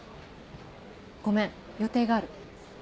ごめん予定がある。